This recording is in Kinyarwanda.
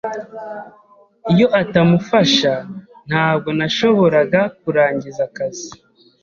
Iyo atamufasha, ntabwo nashoboraga kurangiza akazi.